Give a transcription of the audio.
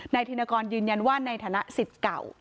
ธินกรยืนยันว่าในฐานะสิทธิ์เก่า